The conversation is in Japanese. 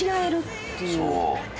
そう。